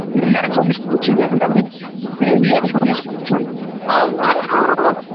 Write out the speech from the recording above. მნათობის ქუჩიდან დავით ბერიაშვილის ქუჩამდე.